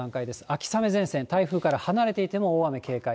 秋雨前線、台風から離れていても大雨警戒。